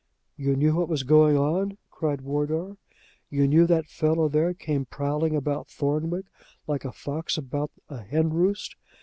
"You knew what was going on?" cried Wardour. "You knew that fellow there came prowling about Thornwick like a fox about a hen roost?